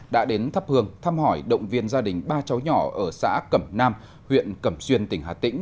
đã đến thắp hương thăm hỏi động viên gia đình ba cháu nhỏ ở xã cẩm nam huyện cẩm xuyên tỉnh hà tĩnh